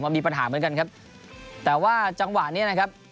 มีปัญหาเหมือนกันครับแต่ว่าจังหวะเนี้ยนะครับ